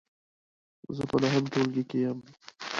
زه په نهم ټولګې کې یم .